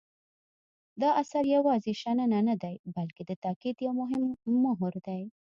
دا اثر یوازې شننه نه دی بلکې د تاکید یو مهم مهر دی.